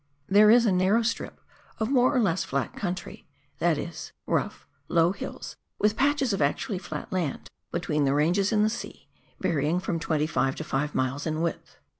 There is a narrow strip of more or less flat country (that is, rough, low hills, with patches of actually flat land) between the ranges and the sea, varying from 25 to 5 miles in width.